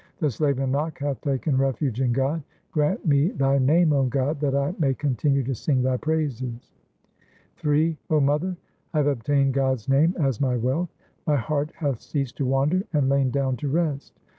The slave Nanak hath taken refuge in God ; Grant me Thy name, 0 God, that I may continue to sing Thy praises. Ill 0 mother, I have obtained God's name as my wealth ; My heart hath ceased to wander and lain down to rest.